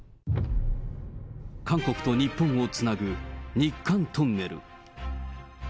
韓国と日本をつなぐ、日韓トンネル。